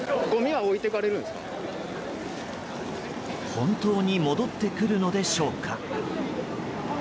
本当に戻ってくるのでしょうか。